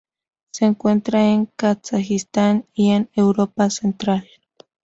Se encuentra en Kazajistán y en Europa Central.